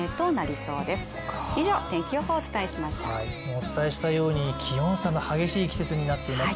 お伝えしたように気温差の激しい季節になっています。